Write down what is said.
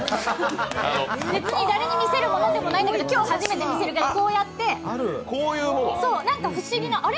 別に誰に見せるものでもないんだけど、今日初めて見せますが、何か不思議な、あれ？